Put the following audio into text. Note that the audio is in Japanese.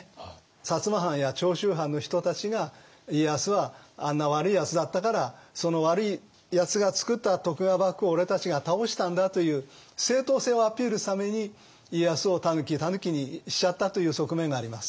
薩摩藩や長州藩の人たちが家康はあんな悪いやつだったからその悪いやつが作った徳川幕府を俺たちが倒したんだという正当性をアピールするために家康を「たぬき」にしちゃったという側面があります。